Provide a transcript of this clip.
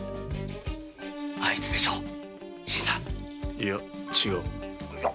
いや違う。